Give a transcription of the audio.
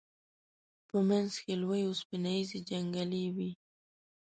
په منځ کې لوی اوسپنیزې جنګلې وې.